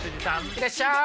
いらっしゃい！